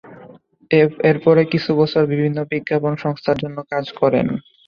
এরপরে কিছু বছর বিভিন্ন বিজ্ঞাপন সংস্থার জন্য কাজ করেন।